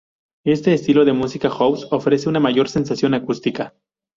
Este estilo de música house ofrece una mayor sensación acústica.